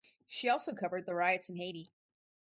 She also covered the riots in Haiti.